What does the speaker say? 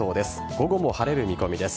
午後も晴れる見込みです。